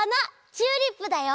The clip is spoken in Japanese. チューリップだよ！